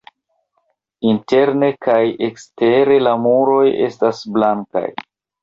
Interne kaj ekstere la muroj estis blankaj.